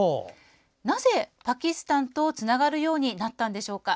なぜ、パキスタンとつながるようになったんでしょうか。